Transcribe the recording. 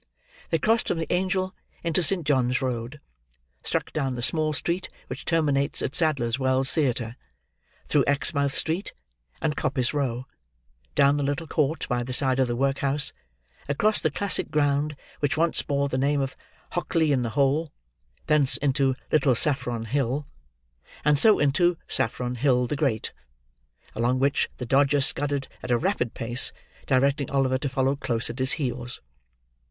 They crossed from the Angel into St. John's Road; struck down the small street which terminates at Sadler's Wells Theatre; through Exmouth Street and Coppice Row; down the little court by the side of the workhouse; across the classic ground which once bore the name of Hockley in the Hole; thence into Little Saffron Hill; and so into Saffron Hill the Great: along which the Dodger scudded at a rapid pace, directing Oliver to follow close at his heels.